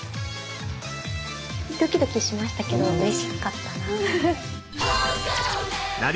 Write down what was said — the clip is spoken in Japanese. ドキドキしましたけどうれしかったな。